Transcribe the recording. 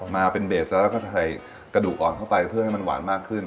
มาเป็นเบสแล้วเราก็จะใส่กระดูกอ่อนเข้าไปเพื่อให้มันหวานมากขึ้น